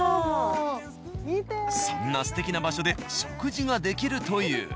そんなステキな場所で食事ができるという。